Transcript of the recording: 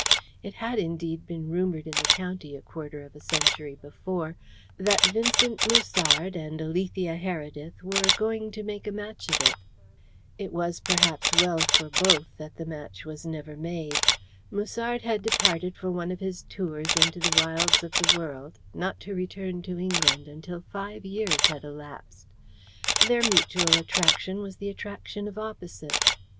It had, indeed, been rumoured in the county a quarter of a century before that Vincent Musard and Alethea Heredith were "going to make a match of it." It was, perhaps, well for both that the match was never made. Musard had departed for one of his tours into the wilds of the world, not to return to England until five years had elapsed. Their mutual attraction was the attraction of opposites.